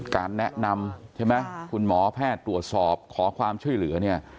การแนะนำใช่ไหมคุณหมอแพทย์ตรวจสอบขอความช่วยเหลือเนี่ย